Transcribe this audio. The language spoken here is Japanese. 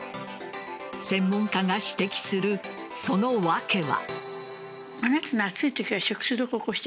専門家が指摘するその訳は。